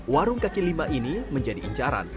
warung kaki lima ini menjadi incaran